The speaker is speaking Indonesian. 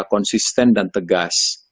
konsisten dan tegas